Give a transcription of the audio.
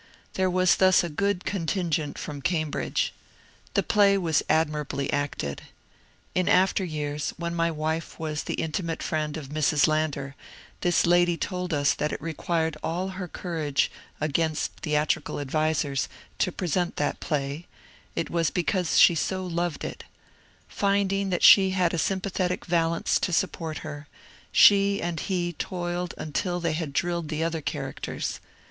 There was thus a good contingent from Cambridge. The play was admirably acted. In after years, when my wife was the intimate friend of Mrs. Lander, this lady told us that it required all her courage, against theatrical advisers, to present that play ; it was be cause she so loved it Finding that she had a sympathetic Valence to support her, she and he toiled until they had drilled the other characters.